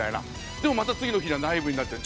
でもまた次の日にはナイーブになっちゃう。